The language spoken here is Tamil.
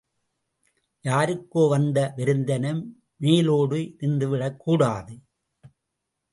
யாருக்கோ வந்த விருந்தென மேலோடு இருந்துவிடக் கூடாது.